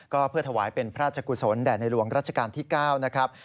ก็เพื่อถวายเป็นพระราชกุศลแด่ในหลวงรัชกาลที่๙นะครับ